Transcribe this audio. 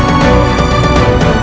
jangan pukul saya sedih